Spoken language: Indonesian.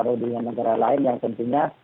atau di negara lain yang pentingnya